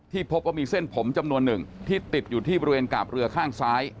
พบว่ามีเส้นผมจำนวนหนึ่งที่ติดอยู่ที่บริเวณกาบเรือข้างซ้าย